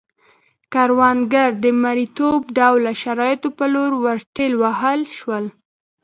کروندګر د مریتوب ډوله شرایطو په لور ورټېل وهل شول.